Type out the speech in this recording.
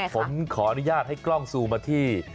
ผมขออนุญาตให้กล้องซูมาที่